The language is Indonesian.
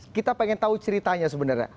kita pengen tahu ceritanya sebenarnya